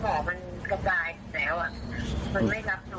สมองมันกระจายไปแล้ว